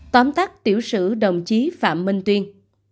tóm tắc tiểu sử đồng chí phạm minh tuyên